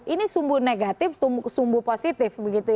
ini sumbu negatif sumbu positif begitu